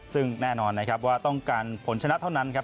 ซึ่งแน่นอนนะครับว่าต้องการผลชนะเท่านั้นครับ